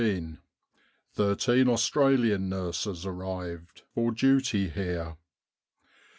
Thirteen Australian nurses arrived for duty here.